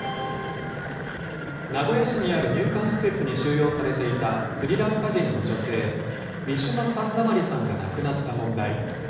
名古屋市にある入管施設に収容されていたスリランカ人の女性、ウィシュマ・サンダマリさんが亡くなった問題。